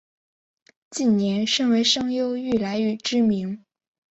近年身为声优愈来愈知名。